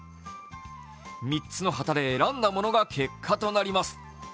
３つの旗で選んだものが結果となります。